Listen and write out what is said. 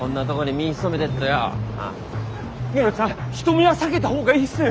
宗手さん人目は避けた方がいいっす。